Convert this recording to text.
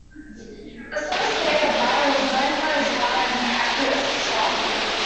A slow skater, Dye was known for his hard and accurate shot.